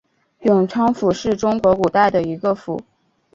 永昌府是中国古代的一个府。